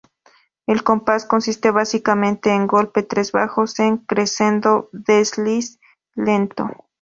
El compás consiste básicamente en golpe-tres bajos en crescendo-desliz lento.